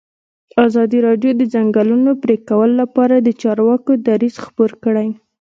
ازادي راډیو د د ځنګلونو پرېکول لپاره د چارواکو دریځ خپور کړی.